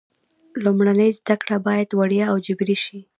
لومړنۍ زده کړې باید وړیا او جبري شي.